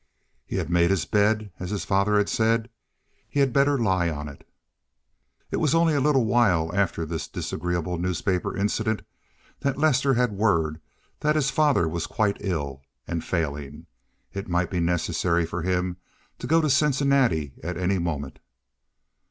He had made his bed, as his father had said. He had better lie on it. It was only a little while after this disagreeable newspaper incident that Lester had word that his father was quite ill and failing; it might be necessary for him to go to Cincinnati at any moment.